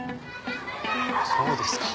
そうですか。